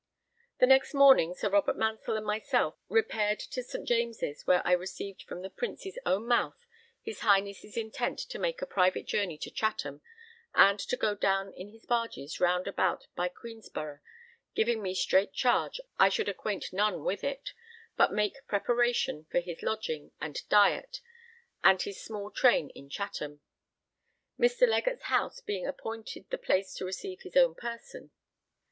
The next morning Sir Robert Mansell and myself repaired to St. James's, where I received from the Prince's own mouth his Highness' intent to make a private journey to Chatham, and to go down in his barges round about by Queenborough; giving me strait charge I should acquaint none with it, but make preparation for his lodging and diet and his small train in Chatham, Mr. Legatt's house being appointed the place to receive his own person.